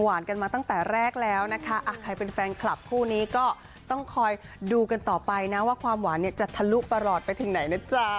กันมาตั้งแต่แรกแล้วนะคะใครเป็นแฟนคลับคู่นี้ก็ต้องคอยดูกันต่อไปนะว่าความหวานเนี่ยจะทะลุประหลอดไปถึงไหนนะจ๊ะ